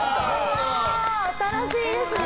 新しいですね。